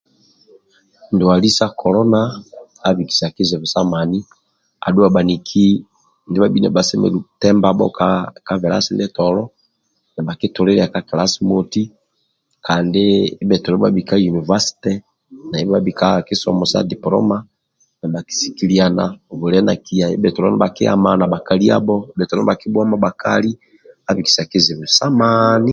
Ndwali sa kolona abikisi kizibu sa mani adhuwa bhaniki ndibha bhabhi nibhasemelelu tembabho ka bilasi ndietolo nivhakitulilia ka kilasi moti kandi ndibhetolo bhabhi ka yunivasite na ndibha bhabhi ka kisomo sa dipoloma nibha kisikiliana bwile nakiya ndibhetolo nibhakiamana bhakaliabho bhetolo nibhakibhuama bhakali abikisa kizibu sa mani